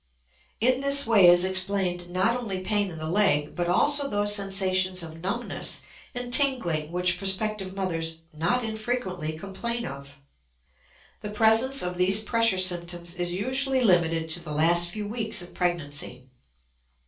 In this way is explained not only pain in the leg but also those sensations of numbness and tingling which prospective mothers not infrequently complain of. The presence of these pressure symptoms is usually limited to the last few weeks of pregnancy.